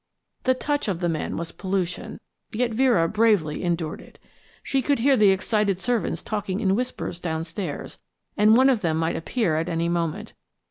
The touch of the man was pollution, yet Vera bravely endured it. She could hear the excited servants talking in whispers downstairs, and one of them might appear at any moment.